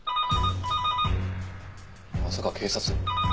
まさか警察。